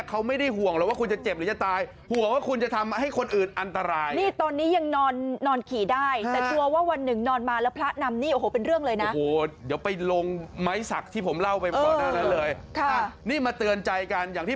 เขาไม่ได้ห่วงหรอกว่าคุณจะเจ็บหรือจะตาย